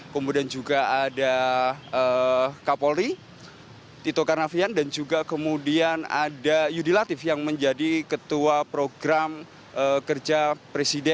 kemudian juga ada kapolri tito karnavian dan juga kemudian ada yudi latif yang menjadi ketua program kerja presiden